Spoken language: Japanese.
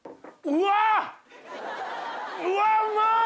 うわうまっ！